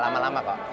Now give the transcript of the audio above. tidak lama lama kok